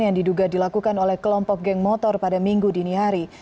yang diduga dilakukan oleh kelompok geng motor pada minggu dini hari